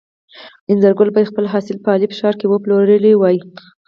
انځرګل باید خپل حاصل په الف ښار کې پلورلی وای.